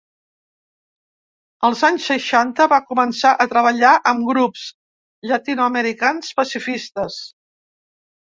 Als anys seixanta va començar a treballar amb grups llatinoamericans pacifistes.